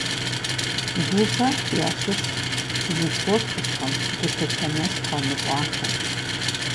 Бубэ ящыщщ зи творчествэм гулъытэ нэс хуамыщӀахэм.